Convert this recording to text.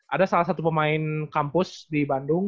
ada salah satu pemain kampus di bandung